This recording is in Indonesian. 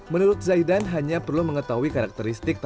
menurut zaidan hanya perlu mengetahui karakteristik